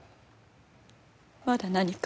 まだ何か？